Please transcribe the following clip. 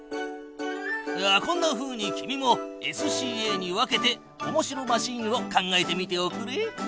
こんなふうに君もＳＣＡに分けておもしろマシーンを考えてみておくれ。